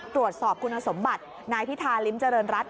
ตรวจสอบคุณสมบัตินายพิธาริมเจริญรัฐ